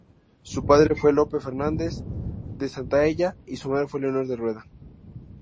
Su padre fue Lope Fernández de Santaella y su madre fue Leonor de Rueda.